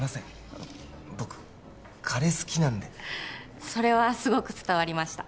あの僕カレー好きなんでそれはすごく伝わりました